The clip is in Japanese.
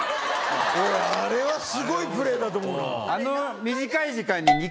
俺あれはスゴいプレーだと思うな。